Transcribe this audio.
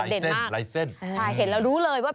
ลายเส้นใช่เห็นแล้วรู้เลยว่า